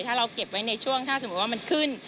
ถ้าเราเก็บไว้ในช่วงถ้าสมมุติว่ามันขึ้น